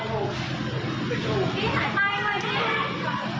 พี่ตายลูกไม่ตายแล้ว